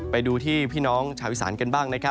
ไปดูที่พี่น้องชาววิสานกันบ้าง